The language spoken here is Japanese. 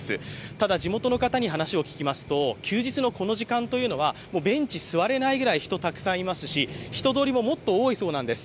ただ、地元の方に話を聞きますと休日のこの時間というのはベンチに座れないくらい人がたくさんいますし、人通りももっとあるそうです。